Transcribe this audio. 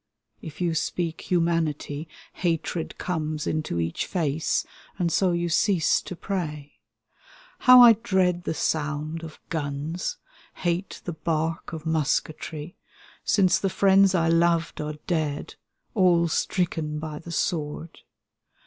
If you speak humanity. Hatred comes into each face, and so you cease to pray. How I dread the sound of guns, hate the bark of mus ketry. Since the friends I loved are dead, aU stricken by the sword.